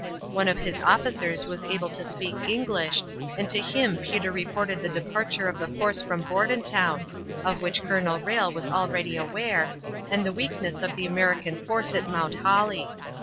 One of his officers was able to speak English, and to him Peter reported the departure of the force from Bordentown, of which Colonel Rhalle was already aware, and the weakness of the American force at Mount Holly.